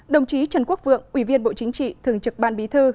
đồng chí trần quốc vượng ủy viên bộ chính trị thường trực ban bí thư